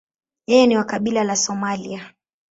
Yeye ni wa kabila la Somalia.